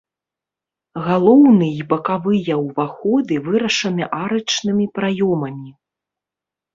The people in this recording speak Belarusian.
Галоўны і бакавыя ўваходы вырашаны арачнымі праёмамі.